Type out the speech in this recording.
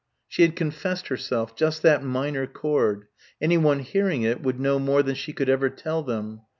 She had confessed herself ... just that minor chord ... anyone hearing it would know more than she could ever tell them